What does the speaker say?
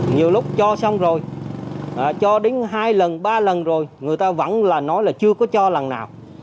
nhiều lúc cho xong rồi cho đến hai lần ba lần rồi người ta vẫn là nói là chưa có cho lần nào